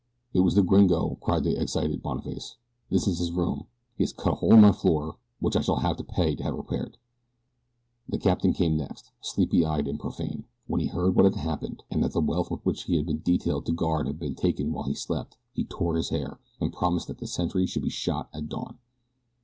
"It was the gringo," cried the excited Boniface. "This is his room. He has cut a hole in my floor which I shall have to pay to have repaired." A captain came next, sleepy eyed and profane. When he heard what had happened and that the wealth which he had been detailed to guard had been taken while he slept, he tore his hair and promised that the sentry should be shot at dawn.